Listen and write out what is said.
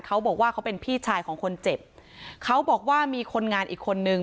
เขาบอกว่าเขาเป็นพี่ชายของคนเจ็บเขาบอกว่ามีคนงานอีกคนนึง